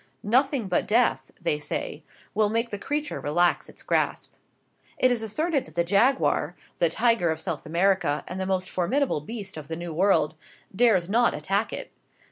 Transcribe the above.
Nothing but death, they say, will make the creature relax its grasp. It is asserted that the jaguar the tiger of South America, and the most formidable beast of the New World dares not attack it.